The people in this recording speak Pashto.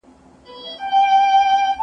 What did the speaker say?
جګړه د انسانانو ترمنځ نفاق او کرکه پیدا کوي.